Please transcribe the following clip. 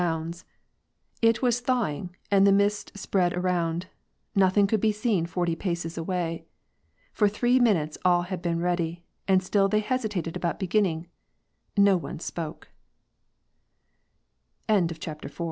25 bounds. It was thawing, and the mist spread around ; noth ing could be seen forty paces away. For three minutes, all had been ready, and still they hesitated about beg